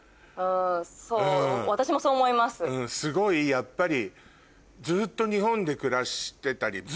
すごいやっぱり。